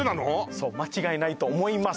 そう間違いないと思います